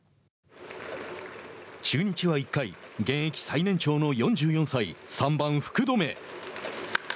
中日は１回現役最年長の４４歳３番福留。